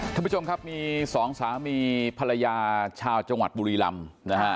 ท่านผู้ชมครับมีสองสามีภรรยาชาวจังหวัดบุรีลำนะฮะ